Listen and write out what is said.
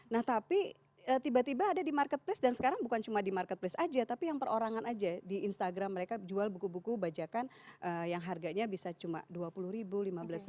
nah tapi tiba tiba ada di marketplace dan sekarang bukan cuma di marketplace aja tapi yang perorangan aja di instagram mereka jual buku buku bajakan yang harganya bisa cuma rp dua puluh ribu lima belas